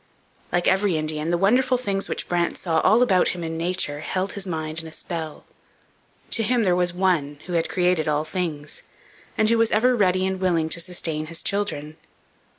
Like every Indian, the wonderful things which Brant saw all about him in nature held his mind in a spell. To him there was One who had created all things, and who was ever ready and willing to sustain His children.